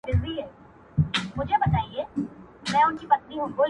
هغه دي مړه سي زموږ نه دي په كار~